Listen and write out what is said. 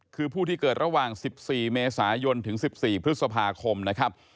คือผู้ที่เกิดระหว่าง๑๔เมษายนถึง๑๔พฤษภาคมนะครับ